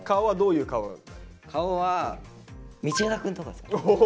顔は道枝くんとかですかね。